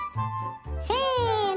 せの！